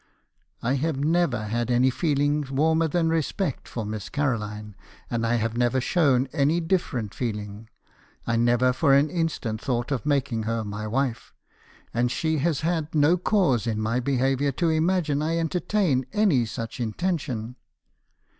" 'I have never had any feeling wanner than respect for Miss Caroline, and I have never shown any different feeling. I never for an instant thought of making her my wife , and she has had no cause in my behaviour to imagine I entertained any such in tention.'